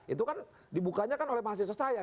itu kan dibukanya kan oleh mahasiswa saya